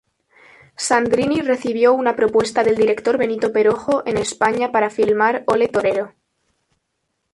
Sandrini recibió una propuesta del director Benito Perojo en España para filmar "¡Ole, Torero!